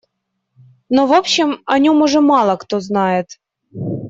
Но, в общем, о нем уже мало кто знает.